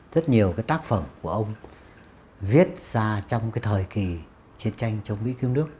rất nhiều tác phẩm của ông viết ra trong thời kỳ chiến tranh chống mỹ kiếm nước